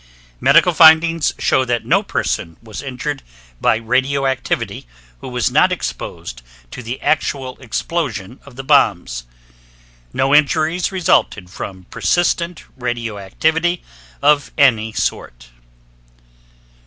Medical findings show that no person was injured by radioactivity who was not exposed to the actual explosion of the bombs. No injuries resulted from persistent radioactivity of any sort.